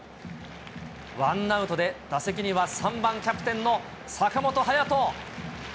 ワンアウトで、打席には３番、キャプテンの坂本勇人。